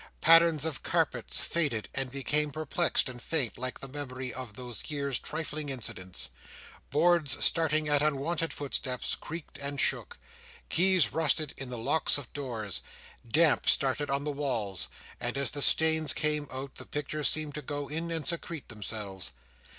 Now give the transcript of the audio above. Patterns of carpets faded and became perplexed and faint, like the memory of those years' trifling incidents. Boards, starting at unwonted footsteps, creaked and shook. Keys rusted in the locks of doors. Damp started on the walls, and as the stains came out, the pictures seemed to go in and secrete themselves.